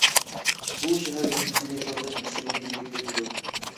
بۇ شەھەر يۇندىسىنى تازىلاش بېسىمىنى يېنىكلىتىدۇ.